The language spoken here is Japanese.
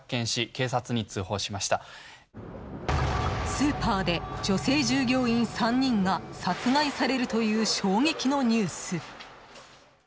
スーパーで女性従業員３人が殺害されるという衝撃のニュース。